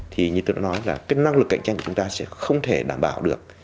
thì như tôi đã nói là cái năng lực cạnh tranh của chúng ta sẽ không thể đảm bảo được